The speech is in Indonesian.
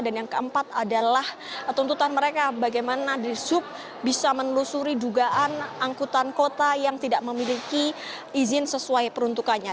dan yang keempat adalah tuntutan mereka bagaimana dirsup bisa menelusuri dugaan angkutan kota yang tidak memiliki izin sesuai peruntukannya